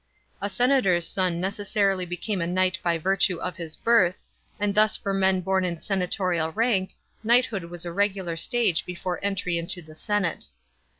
A senator's son necessarily became a knight by virtue of his birth, and thus for men born in senatorial rank, knighthood was a regular stage before entry into the senate.